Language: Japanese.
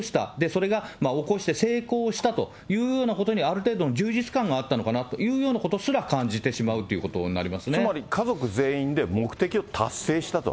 それが起こして成功したというようなことに、ある程度の充実感があったのかなというようなことすら感じてしまうということになりつまり家族全員で目的を達成したと。